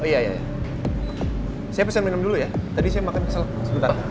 iya iya saya pesan minum dulu ya tadi saya makan kesel sebentar